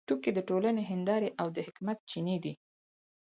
ټوکې د ټولنې هندارې او د حکمت چینې دي.